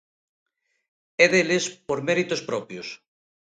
É deles por méritos propios.